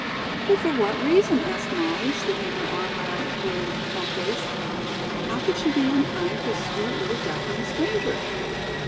"But for what reason?" asked Molly, slipping her arm around Otoyo's plump waist. "How could she be unkind to sweet little Japanese stranger?"